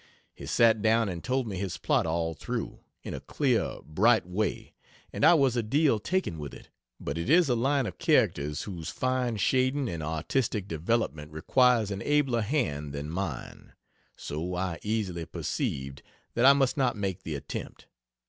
He sat down and told me his plot all through, in a clear, bright way, and I was a deal taken with it; but it is a line of characters whose fine shading and artistic development requires an abler hand than mine; so I easily perceived that I must not make the attempt.